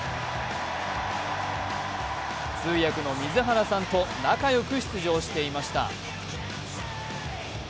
通訳の水原さんと仲良く出場していました。